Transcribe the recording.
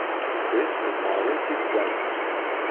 Chris is Maurice's grandson.